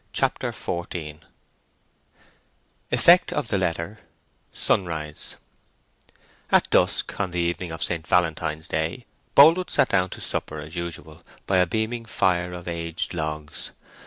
CHAPTER XIV EFFECT OF THE LETTER—SUNRISE At dusk, on the evening of St. Valentine's Day, Boldwood sat down to supper as usual, by a beaming fire of aged logs.